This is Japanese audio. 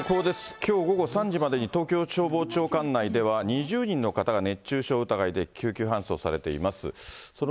きょう午後３時までに、東京消防庁管内では、２０人の方が熱中症疑いで救急搬送されています。